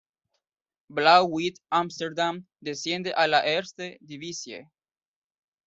Blauw-Wit Amsterdam desciende a la Eerste Divisie.